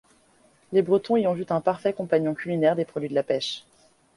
Les Bretons y ont vu un parfait compagnon culinaire des produits de la pêche.